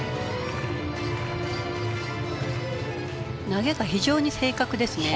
投げが非常に正確ですね。